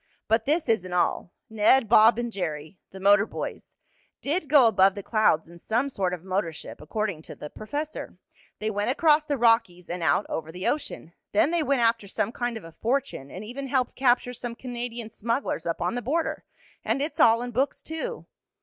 "But this isn't all. Ned, Bob and Jerry the motor boys did go above the clouds in some sort of motor ship, according to the professor. They went across the Rockies, and out over the ocean. Then they went after some kind of a fortune, and even helped capture some Canadian smugglers up on the border. And it's all in books, too.